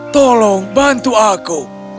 tolong bantu aku